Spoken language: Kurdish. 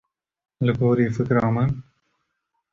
Li gorî fikra min.